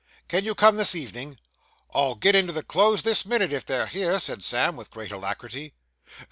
'Can you come this evening?' 'I'll get into the clothes this minute, if they're here,' said Sam, with great alacrity.